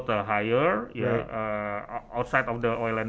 dari minyak minyak dan minyak